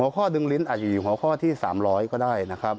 ข้อดึงลิ้นอาจจะอยู่หัวข้อที่๓๐๐ก็ได้นะครับ